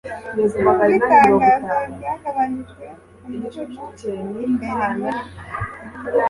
Nubwo Itangazo Ryagabanijwe Kumurimo Imbere muri